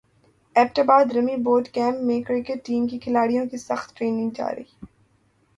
Abbott باد army boot camp میں cricket team کے کھلاڑیوں کی سخت ٹریننگ جاری